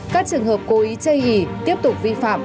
các trường hợp cố ý chê ủy tiếp tục vi phạm